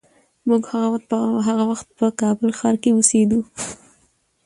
موږ هغه وخت په کابل ښار کې اوسېدو.